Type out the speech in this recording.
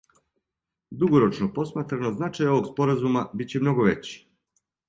Дугорочно посматрано, значај овог споразума биће много већи.